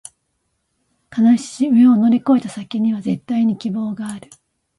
悲しみを乗り越えた先には、絶対に希望がある